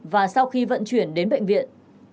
và sau khi vận chuyển đến bệnh viện